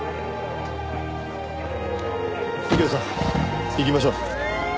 右京さん行きましょう。